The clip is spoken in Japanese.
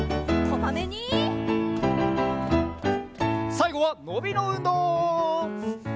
さいごはのびのうんどう！